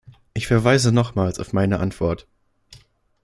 Ich verweise nochmals auf meine Antwort.